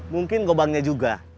mungkin gobangnya juga